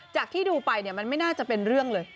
จากที่ดูไปมันไม่น่าจะเป็นเรื่องเลย